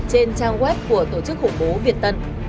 trên trang web của tổ chức khủng bố việt tân